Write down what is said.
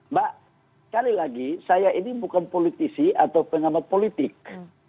mbak sekali lagi saya ini bukan politisi atau pengamat politik